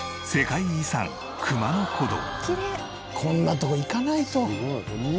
こんなとこ行かないと。